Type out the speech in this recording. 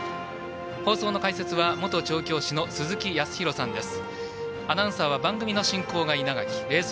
放送の解説は元調教師の鈴木康弘さんです。